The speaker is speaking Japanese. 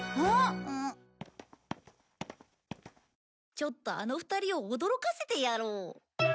ちょっとあの２人を驚かせてやろう。